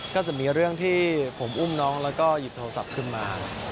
ก็จะมีเรื่องที่ผมอุ้มน้องแล้วก็หยิบโทรศัพท์ขึ้นมา